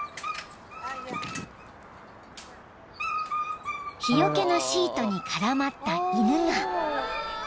［日よけのシートに絡まった犬が］